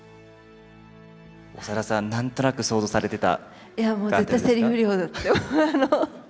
長田さん何となく想像されてた？